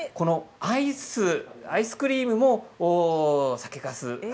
アイスクリームも酒かす。